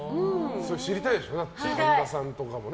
知りたいですね神田さんとかも。